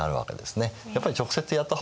やっぱり直接やった方がね